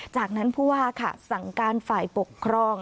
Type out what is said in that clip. จากนั้นผู้ว่าค่ะสั่งการฝ่ายปกครอง